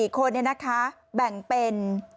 ๕๔คนเนี่ยนะคะแบ่งเป็น